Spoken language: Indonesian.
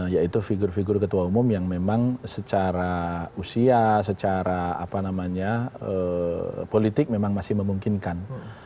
yaitu figur figur ketua umum yang memang secara usia secara politik memang masih memungkinkan